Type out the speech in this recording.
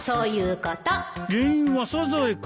原因はサザエか。